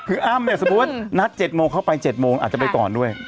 คืออ้ามเนี่ยสมมุตินัดเจ็ดโมงเข้าไปเจ็ดโมงอาจจะไปตอนด้วย